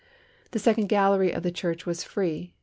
The second gallery of the church was free.